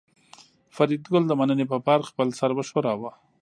فریدګل د مننې په پار خپل سر وښوراوه